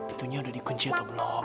itunya udah dikunci atau belum